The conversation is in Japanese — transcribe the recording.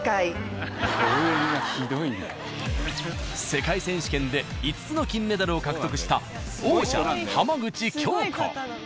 世界選手権で５つの金メダルを獲得した王者・浜口京子。